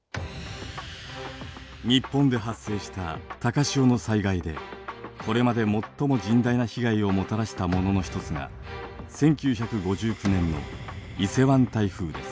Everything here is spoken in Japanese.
日本で発生した高潮の災害でこれまで最も甚大な被害をもたらしたものの一つが１９５９年の伊勢湾台風です。